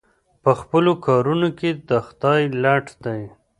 په خپلو کارونو کې د خدای لټ دی.